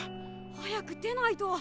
早く出ないと。